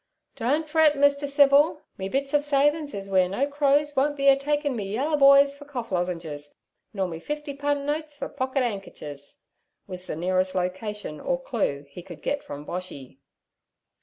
'Don't fret, Mr. Civil; me bits ov savin's is weer no crows won't be a takin' me yaller boys fer cough lozengers, nor me fifty pun notes fer pocket 'ankerchers' was the nearest location or clue he could get from Boshy.